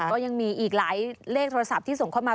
ก็ยังมีอีกหลายเลขโทรศัพท์ที่ส่งเข้ามา